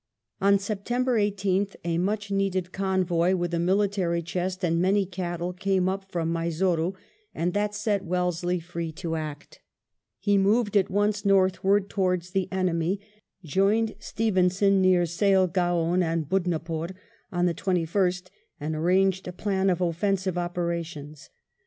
On September 18th a much needed convoy with a military chest and many cattle came up from Mysore, and that set Wellesley free to act He moved at once northward towards the enemy, joined Steven son near Sailgoan and Budnapore on the 21st, and arranged a plan of offensive operations.